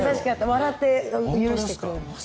笑って許してくれました。